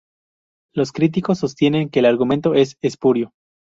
Los críticos sostienen que el argumento es espurio.